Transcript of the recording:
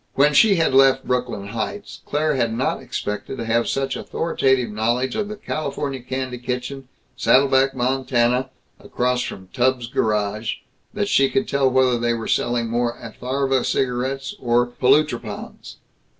When she had left Brooklyn Heights, Claire had not expected to have such authoritative knowledge of the Kalifornia Kandy Kitchen, Saddle Back, Montana, across from Tubbs' Garage, that she could tell whether they were selling more Atharva Cigarettes or Polutropons.